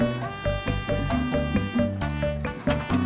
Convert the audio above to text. oh kok d again